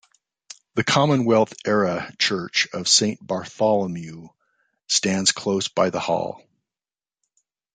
The Commonwealth era church of Saint Bartholomew stands close by the Hall.